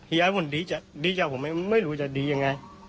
เฮียผมดีจัดดีจัดผมไม่รู้จะดีอย่างไร